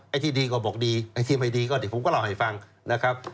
ที่ดีก็บอกดีไอ้ที่ไม่ดีก็เดี๋ยวผมก็เล่าให้ฟังนะครับ